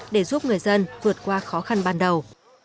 để giúp người dân vượt qua khó khăn ban đầu